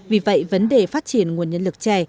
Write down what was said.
vì vậy vấn đề phát triển nguồn nhân lực trẻ